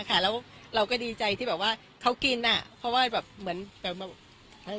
ค่ะแล้วเราก็ดีใจที่แบบว่าเขากินอ่ะเพราะว่าแบบเหมือนแบบ